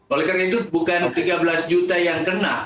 oleh karena itu bukan tiga belas juta yang kena